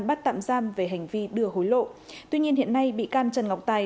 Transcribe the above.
bắt tạm giam về hành vi đưa hối lộ tuy nhiên hiện nay bị can trần ngọc tài